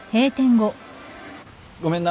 ごめんな。